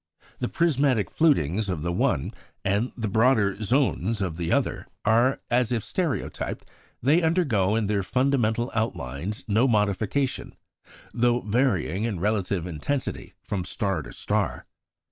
The prismatic flutings of the one, and the broader zones of the other, are as if stereotyped they undergo, in their fundamental outlines, no modification, though varying in relative intensity from star to star.